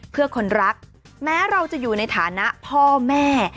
เพื่อคนรักแม้เราจะอยู่ในฐานะพ่อแม่